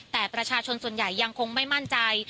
แต่ประชาชนส่วนใหญ่ยังคงไม่มั่นใจ